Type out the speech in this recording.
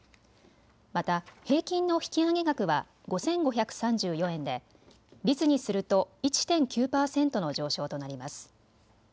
また平均の引き上げ額は５５３４円で率にすると１．９％の上昇となります。